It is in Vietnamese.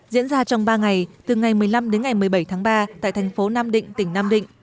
diễn ra trong ba ngày từ ngày một mươi năm đến ngày một mươi bảy tháng ba tại thành phố nam định tỉnh nam định